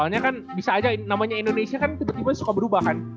soalnya kan bisa aja namanya indonesia kan tiba tiba suka berubah kan